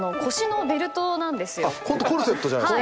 ホントコルセットじゃないっすか。